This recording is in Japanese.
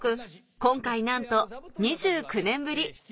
今回なんと２９年ぶり